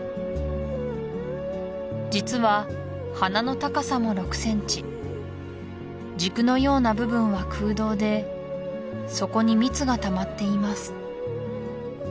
実は花の高さも６ｃｍ軸のような部分は空洞で底に蜜がたまっています